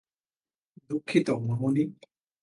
দুঃখিত, মামুনি।